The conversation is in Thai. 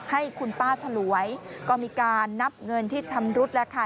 ให้คุณป้าฉลวยก็มีการนับเงินที่ชำรุดแล้วค่ะ